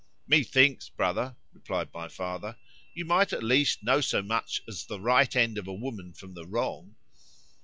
—Methinks, brother, replied my father, you might, at least, know so much as the right end of a woman from the wrong.